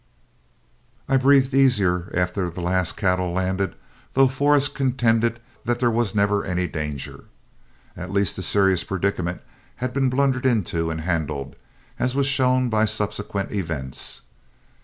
I breathed easier after the last cattle landed, though Forrest contended there was never any danger. At least a serious predicament had been blundered into and handled, as was shown by subsequent events.